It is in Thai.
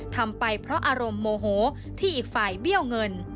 ทำไปเพราะอารมณ์โมโหที่อีกฝ่ายเบี้ยวเงิน